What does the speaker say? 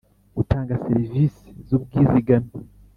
Gutanga serivisi z ubwizigame